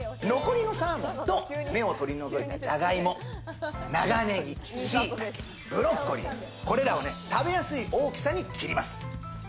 残りのサーモンと、芽を取り除いたじゃがいも、長ネギ、しいたけ、ブロッコリー、これらを食べやすい大きさに切ります。